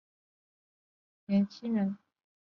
玩家的头像是可编辑名字的褐肤黑发的年轻人。